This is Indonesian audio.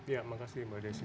ya makasih mbak desi